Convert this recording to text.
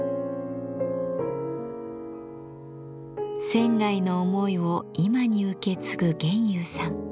仙の思いを今に受け継ぐ玄侑さん。